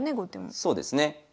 そうですね。